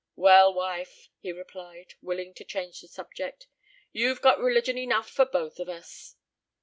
"Well, wife," he replied, willing to change the subject, "you've got religion enough for both of us."